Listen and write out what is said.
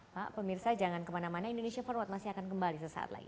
pak pemirsa jangan kemana mana indonesia forward masih akan kembali sesaat lagi